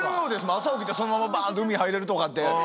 朝起きてそのままバンと海入れるとかって。